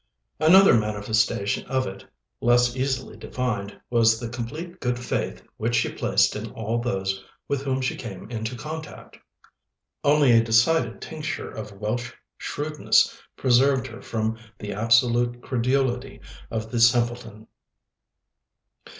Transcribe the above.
Another manifestation of it, less easily defined, was the complete good faith which she placed in all those with whom she came into contact. Only a decided tincture of Welsh shrewdness preserved her from the absolute credulity of the simpleton.